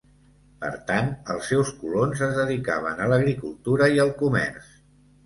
Per tant, els seus colons es dedicaven a l'agricultura i al comerç.